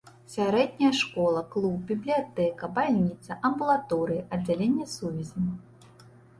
Сярэдняя школа, клуб, бібліятэка, бальніца, амбулаторыя, аддзяленне сувязі.